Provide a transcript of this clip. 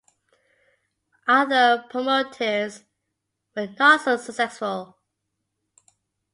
Other promoters were not so successful.